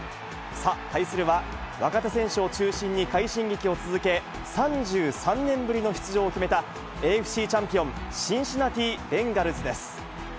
さあ、対するは、若手選手を中心に快進撃を続け、３３年ぶりの出場を決めたＡＦＣチャンピオン、シンシナティ・ベンガルズです。